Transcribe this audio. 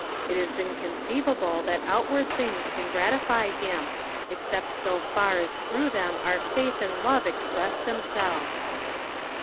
It is inconceivable that outward things can gratify him, except so far as through them our faith and love express themselves.